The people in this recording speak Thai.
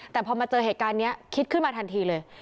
แต่พอมาเจอเหตุการณ์นี้คิดขึ้นมาทันทีเลย